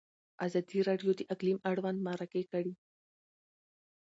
ازادي راډیو د اقلیم اړوند مرکې کړي.